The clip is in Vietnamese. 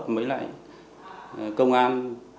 mới lại công an